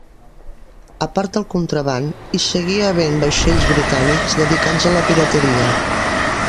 A part del contraban, hi seguia havent vaixells britànics dedicats a la pirateria.